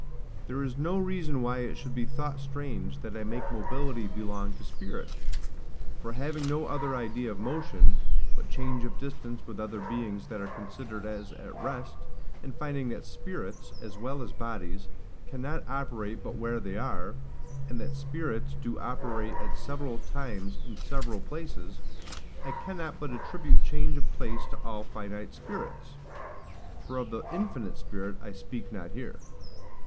There is no reason why it should be thought strange that I make mobility belong to spirit; for having no other idea of motion, but change of distance with other beings that are considered as at rest; and finding that spirits, as well as bodies, cannot operate but where they are; and that spirits do operate at several times in several places, I cannot but attribute change of place to all finite spirits: (for of the Infinite Spirit I speak not here).